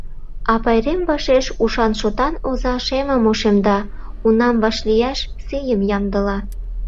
А пайрем вашеш ушан-шотан оза шемым ошемда, унам вашлияш сийым ямдыла.